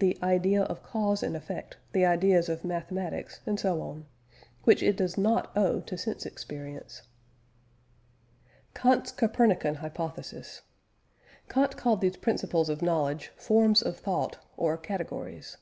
the idea of cause and effect, the ideas of mathematics, and so on) which it does not owe to sense experience. KANT'S COPERNICAN HYPOTHESIS. Kant called these principles of knowledge, forms of thought or categories.